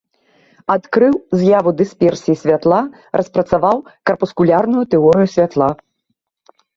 Адкрыў з'яву дысперсіі святла, распрацаваў карпускулярную тэорыю святла.